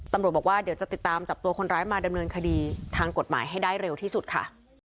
ตำรวจบอกว่าเดี๋ยวจะติดตามจับตัวคนร้ายมาดำเนินคดีทางกฎหมายให้ได้เร็วที่สุดค่ะ